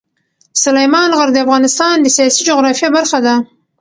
سلیمان غر د افغانستان د سیاسي جغرافیه برخه ده.